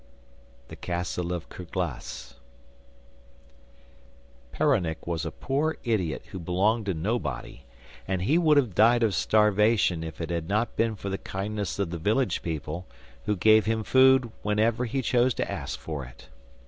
The Castle of Kerglas Peronnik was a poor idiot who belonged to nobody, and he would have died of starvation if it had not been for the kindness of the village people, who gave him food whenever he chose to ask for it.